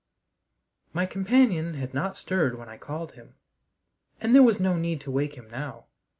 My companion had not stirred when I called him, and there was no need to waken him now.